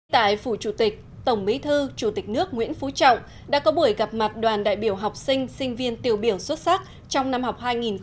tại phủ chủ tịch tổng bí thư chủ tịch nước nguyễn phú trọng đã có buổi gặp mặt đoàn đại biểu học sinh sinh viên tiêu biểu xuất sắc trong năm học hai nghìn hai mươi hai nghìn hai mươi